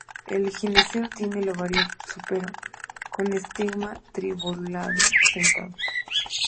El gineceo tiene el ovario súpero con estigma trilobulado, sentado.